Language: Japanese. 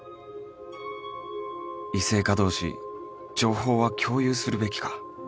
異性化同士情報は共有するべきか